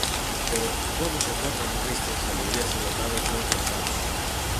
Pero ¡como se tornan tristes as alegrías evocadas lonxe da patria!